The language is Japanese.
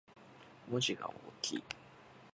文字が大きい